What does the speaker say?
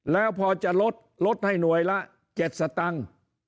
แล้วพอจะลดลดให้หน่วยละ๗สตังค์